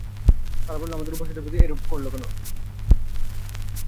তারা বলল, আমাদের উপাস্যদের প্রতি এরূপ করল কে?